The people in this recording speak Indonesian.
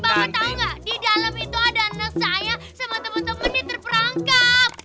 bapak tahu nggak di dalam itu ada anak saya sama teman teman yang terperangkap